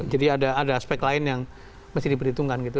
jadi ada aspek lain yang mesti diperhitungkan gitu